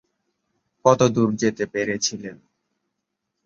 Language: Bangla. কতদূর যেতে পেরেছিলেন?